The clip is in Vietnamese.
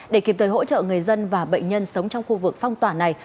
để kịp thời hỗ trợ người dân và bệnh nhân sống trong khu vực phong tỏa này